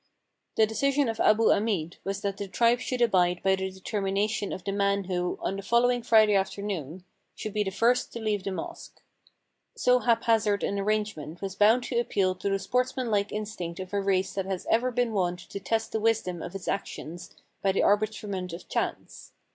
The decision of Abu Amid was that the tribes should abide by the determination of the man who, on the following Friday afternoon, should be the ^" Harem " here means courtyard of the mosque. 497 ARABIA first to leave the mosque. So haphazard an arrangement was bound to appeal to the sportsmanlike instinct of a race that has ever been wont to test the wisdom of its actions by the arbitrament of chance.